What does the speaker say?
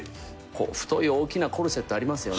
太い大きなコルセットありますよね。